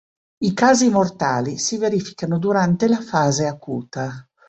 I casi mortali si verificano durante la fase acuta.